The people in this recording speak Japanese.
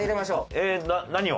えー何を？